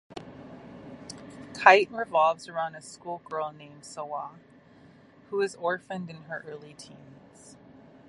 "Kite" revolves around a schoolgirl named Sawa who is orphaned in her early teens.